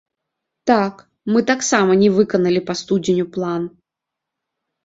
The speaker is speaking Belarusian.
Так, мы таксама не выканалі па студзеню план.